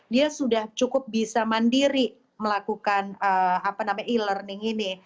dia sudah cukup bisa mandiri melakukan e learning ini